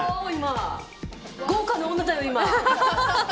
豪華な女だよ、今！